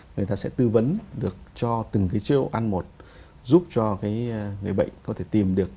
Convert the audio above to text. người ta sẽ tư vấn được cho từng cái chiêu ăn một giúp cho cái người bệnh có thể tìm được